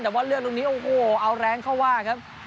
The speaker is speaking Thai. แต่ว่าเลือดลูกนี้โอ้โหเอาแรงเข้าว่าครับ